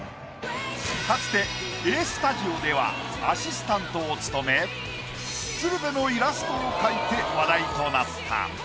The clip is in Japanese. かつて『ＡーＳｔｕｄｉｏ』ではアシスタントを務め鶴瓶のイラストを描いて話題となった。